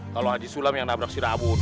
kalo haji sulam yang nabrak si raun